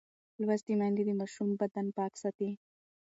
لوستې میندې د ماشوم بدن پاک ساتي.